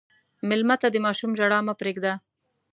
مېلمه ته د ماشوم ژړا مه پرېږده.